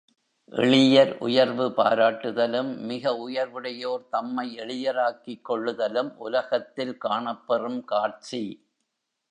எளியர், உயர்வு பாராட்டுதலும், மிக உயர்வுடையோர் தம்மை எளியராக்கிக் கொள்ளுதலும் உலகத்தில் காணப்பெறும் காட்சி.